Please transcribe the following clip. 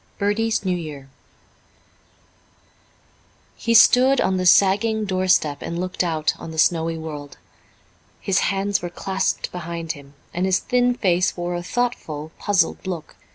Bertie's New Year He stood on the sagging doorstep and looked out on the snowy world. His hands were clasped behind him, and his thin face wore a thoughtful, puzzled look.